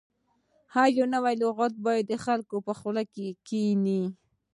هر نوی لغت باید د خلکو په خوله کې کښیني.